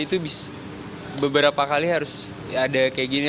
dalam sehari itu beberapa kali harus ada kayak gini